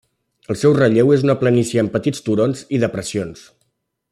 El seu relleu és una planícia amb petits turons i depressions.